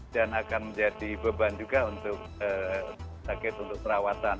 dan akan menjadi beban juga untuk sakit untuk perawatan